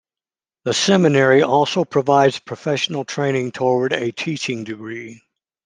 The seminary also provides professional training toward a teaching degree.